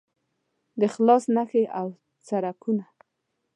د اخلاص نښې او څرکونه